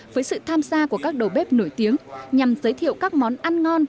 với sự tham gia của các đầu bếp nổi tiếng nhằm giới thiệu các món ăn ngon